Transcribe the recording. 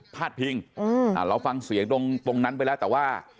พาดพิงเราฟังเสียงตรงนั้นไปแล้วแต่ว่า